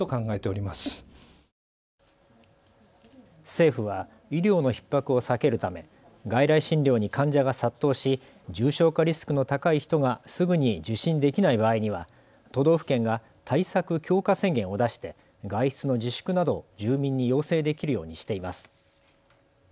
政府は医療のひっ迫を避けるため外来診療に患者が殺到し重症化リスクの高い人がすぐに受診できない場合には都道府県が対策強化宣言を出して外出の自粛などを住民に要請できるようにしています。